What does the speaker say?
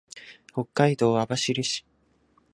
北海道網走市